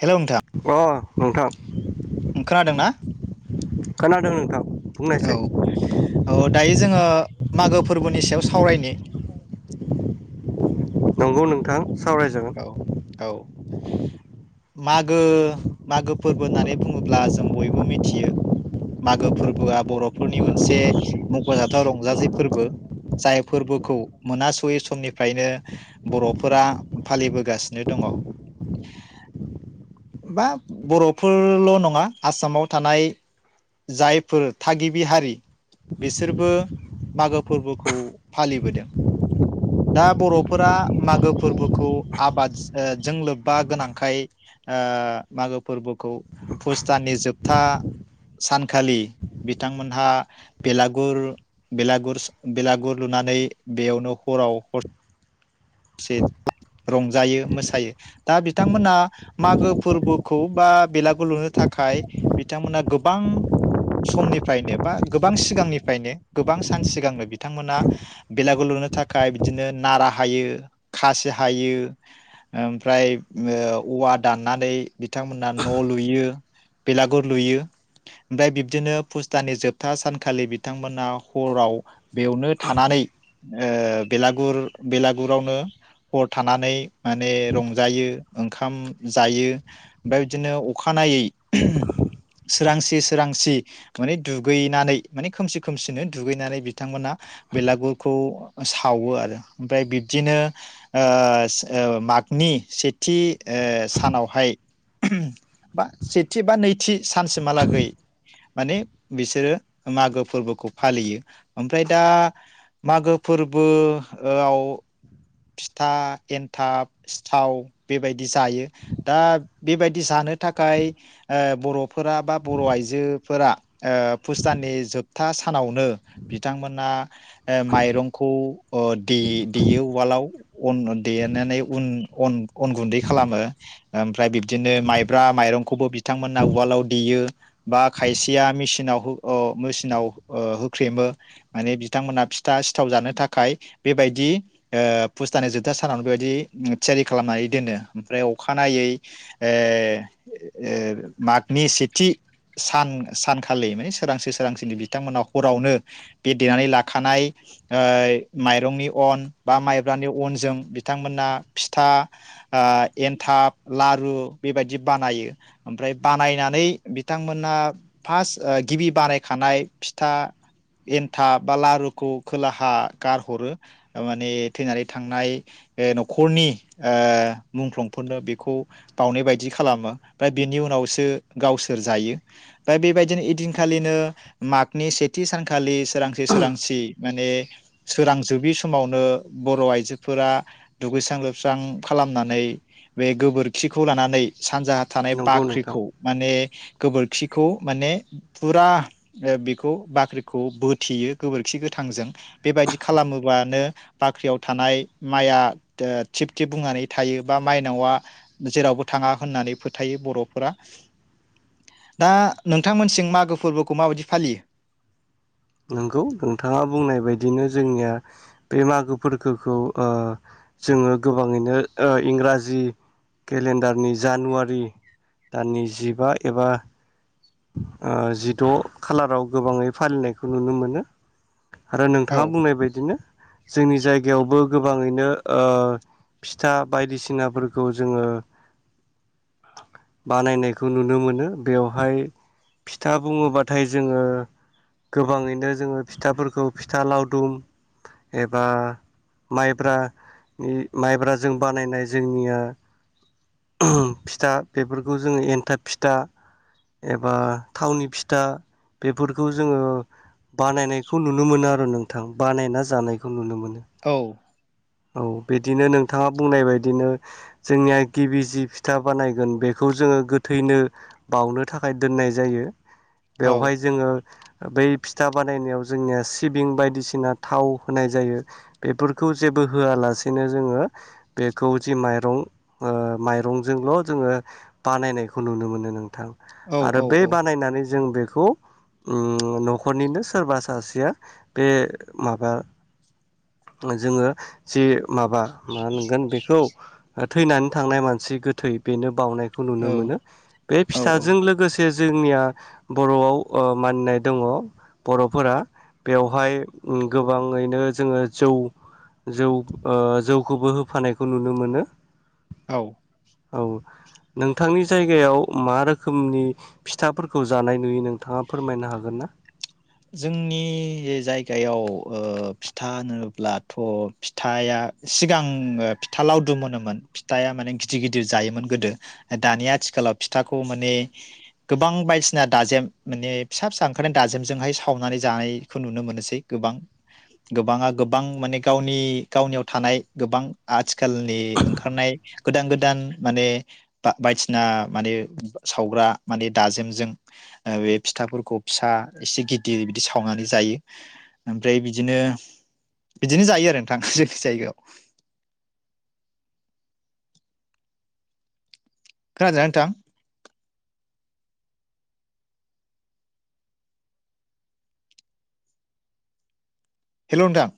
Hello नोंथां अ नोंथां खोनादों ना खोनादों नोंथां बुंनायसै औ औ दायो जोङो मागो फोरबोनि सायाव सावरायनि नंगौ नोंथां सावरायजागोन औ औ मागो मागो फोरबो होननानै बुङोब्ला जों बयबो मिथियो मागो फोरबोआ बर'फोरनि मोनसे मख'जाथाव रंजाथाइ फोरबो जाय फोरबोखौ मोनाहासुयै समनिफ्रायनो बर'फोरा फालिबोगासिनो दङ बा बर'फोरल नङा आसामाव थानाय जायफोर थागिबि हारि बिसोरबो मागो फोरबोखौ फालिबोदों दा बर'फोरा मागो फोरबो खौ आबाद जों ओ लोब्बा गोनांखाय ओ मागो फोरबोखौ फुसदाननि जोबथा सानखालि बिथांमोनहा बेलागुर बेलागुरसा बेलागुर लुनानै बेयावनो हराव हर से रंजायो मोसायो दा बिथांमोना मागो फोरबोखौ बा बेलागुर लुनो थाखाय बिथांमोना गोबां समनिफ्रायनो बा गोबां सिगांनिफ्रायनो गोबां सान सिगांनो बिथांमोना बेलागुर लुनो थाखाय बिदिनो नारा हायो खासि हायो ओमफ्राय औवा दाननानै बिथांमोना न' लुयो बेलागुर लुयो ओमफ्राय बिब्दिनो फुस दाननि जोबथा सानखालि बिथांमोना हराव बेवनो थानानै ओ बेलागुर बेलागुर आवनो हर थानानै माने रंजायो ओंखाम जायो ओमफ्राय बिदिनो अखानायै सोरांसि सोरांसि माने दुगैनानै माने खोमसि खोमसिनो दुगैनानै बिथांमोना बेलागुरखौ सावो आरो ओमफ्राय बिदिनो ओ ओ मागनि सेथि ओ सानावहाय बा फिथा एन्थाब सिथाव बेबायदि जायो दा बेबायदि जानो थाखाय ओ बर'फोरा बा बर' आइजोफोरा ओ फुसदाननि जोबथा सानावनो बिथांमोना ओ माइरंखौ ओ दे देयो उवालाव अन देनानै उन अन अन गुन्दै खालामो ओमफ्राय बिब्दिनो माइब्रा माइरंखौबो बिथांमोना उवालाव देयो बा खायसेया मेसिनाव ओ मेसिनाव ओ होख्रेमो माने बिथांमोनहा फिथा सिथाव जानो थाखाय बेबायदि ओ फुसदाननि जोबथा सानावनो बेबायदि थियारि खालामनानै दोनो ओमफ्राय अखानायै ओ मागनि सेथि सान सानखालि माने सोरांसि सोरांसिनि बिथांमोना हरावनो बे देनानै लाखानाय ओ माइरंनि अन बा माइब्रानि अनजों बिथांमोना फिथा ओ एनथाब लारु बेबायदि बानायो ओमफ्राय बानायनानै बिथांमोना फार्स्ट गिबि बानायखानाय फिथा एनथाब बा लारुखौ खोलाहा गारहरो माने थैनानै थांनाय न'खरनि ओ मुंख्लंफोरनो बेखौ बाउनाय बायदि खालामो ओमफ्राय बिनि उनावसो गावसोर जायो ओमफ्राय बेबायदिनो इदिनखालिनो मागनि सेथि सानखालि सोरांसि सोरांसि माने सोरांजोबि समाव नो बर' आइजोफोरा दुगैस्रां लोबस्रां खालामनानै बे गोबोरखिखौ लानानै सानजाहा थानाय नंगौ नोंथां बाख्रिखौ माने गोबोरखिखौ माने फुरा बेखौ बाख्रिखौ बोथेयो गोबोरखि गोथांजों बेबायदि खालामोबानो बाख्रियाव थानाय माया थिब थिब बुंनानै थायो बा माइनावा जेरावबो थाङा होननानै फोथायो बर'फोरा दा नोंथांमोनसिम मागो फोरबोखौ माबायदि फालियो नोंगौ नोंथाङा बुंनाय बायदिनो जोंनिया बे मागोफोरखोखौ ओ जोङो गोबाङैनो ओ इंराजि केलेन्डारनि जानुवारि दाननि जिबा एबा ओ जिद खालाराव गोबाङै फालिनायखौ नुनो मोनो आरो नोंथाङा औ बुंनाय बायदिनो जोंनि जायगायावबो गोबाङैनो ओ फिथा बायदिसिनाफोरखौ जोङो बानायनायखौ नुनो मोनो बेवहाय फिथा बुङोबाथाय जोङो गोबाङैनो जोङो फिथाफोरखौ फिथा लावदुम एबा माइब्रानि माइब्राजों बानायनाय जोंनिया फिथा बेफोरखौ जोङो एनथाब फिथा एबा थावनि फिथा बेफोरखौ जोङो बानायनायखौ नुनो मोनो आरो नोंथां बानायना जानायखौ नुनो मोन औ औ बिदिनो नोंथाङा बुंनाय बायदिनो जोंनिया गिबि जि फिथा बानायगोन बेखौ जोङो गोथैनो बावनो थाखाय दोननाय जायो। औ बेवहाय जोङो बै फिथा बानायनायाव जोंनिया सिबिं बायदिसिना थाव होनाय जायो बेफोरखौ जेबो होआलासेनो जोङो बेखौ जि माइरं ओ माइरंजोंल जोङो बानायनायखौ नुनो मोनो नोंथां। औ आरो औ बे बानायनानै जों बेखौ उम नखरनिनो सोरबा सासेया बे माबा जोंङो जि माबा मा होनगोन बेखौ थैनानै थांनाय मानसि गोथै बेनो बावनाय खौ नुनो औ मोनो बे फि औ औ थाजों लोगोसे जोंनिया बरआव ओ मानिनाय दङ बरफोरा बेवहाय गोबाङैनो जोङो जौ जौ ओ जौखौबो होफानायखौ नुनो मोनो। औ औ नोंथांनि जायगायाव मा रो खोमनि फिथाफोरखौ जानाय नुयो नोंथाङा फोरमायनो हागोन ना? जोंनि जायगायाव ओ फिथा होनोब्लाथ फिथाया सिगां फिथा लावदुम होनोमोन फिथा माने गिदिर गिदिर जायोमोन गोदो दानि आथिखालाव फिथाखौ माने गोबां बायदिसिना दाजे माने फिसायफिसा ओंखायनो दाजेमजोंहाय सावनानै जानायखौ नुनो मोनोसै गोबां गोबाङा गोबां माने गावनि गावनियाव थानाय गोबां आथिखालनि ओंखारनाय गोदान गोदान माने बायदिसिना माने सावग्रा माने दाजेमजों बे फिथाफोरखौ फिसा एसे गि दिर बिदि सावनानै जायो ओमफ्राय बिदिनो बिदिनो जायो आरो नोंथां जोंनि जायगायाव। खोनादोना नोंथां? हेलौ नोंथां।